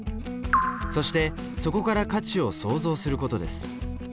そしてそこから価値を創造することです。